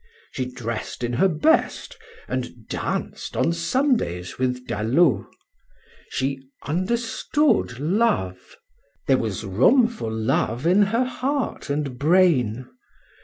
She dressed in her best, and danced on Sundays with Dallot; she understood love; there was room for love in her heart and brain.